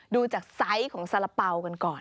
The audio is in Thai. ดูจากไซส์ของสาระเป๋ากันก่อน